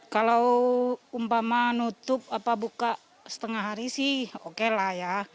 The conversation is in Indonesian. kalau umpama nutup apa buka setengah hari sih oke lah ya